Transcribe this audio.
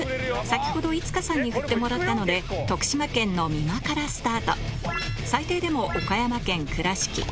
先ほど五花さんに振ってもらったので徳島県の美馬からスタート最低でも岡山県倉敷